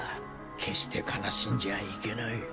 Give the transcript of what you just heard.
決して悲しんじゃいけない。